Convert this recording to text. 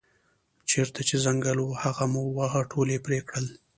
چېرته چې ځنګل و هغه مو وواهه ټول یې پرې کړل.